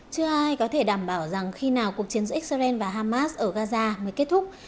chưa ai có thể đảm bảo rằng khi nào cuộc chiến giữa israel và hamas ở gaza mới kết thúc